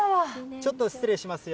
ちょっと失礼しますよ。